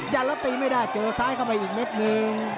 แล้วตีไม่ได้เจอซ้ายเข้าไปอีกเม็ดนึง